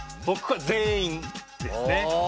僕は全員ですね。